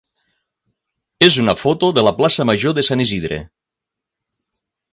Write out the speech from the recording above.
és una foto de la plaça major de Sant Isidre.